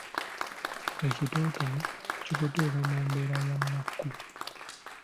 Ekitontome kikuteeka mu mbeera ya nnaku.